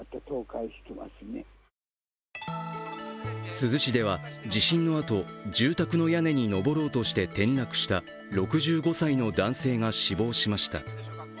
珠洲市では、地震のあと住宅の屋根に上ろうとして転落した６５歳の男性が死亡しました。